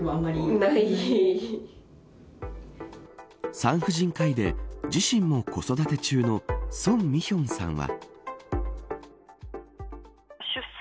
産婦人科医で自身も子育て中の宋美玄さんは。